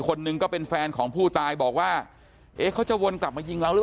คนหนึ่งก็เป็นแฟนของผู้ตายบอกว่าเอ๊ะเขาจะวนกลับมายิงเราหรือ